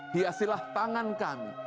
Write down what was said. hiasilah tangan kami